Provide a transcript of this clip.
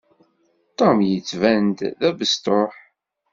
Tom yettban-d d abesṭuḥ.